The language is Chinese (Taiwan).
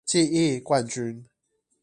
記憶冠軍